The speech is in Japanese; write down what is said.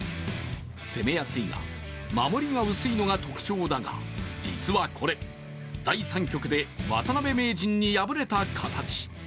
攻めやすいが、守りが薄いのが特徴だが実はこれ、第３局で渡辺名人に敗れた形。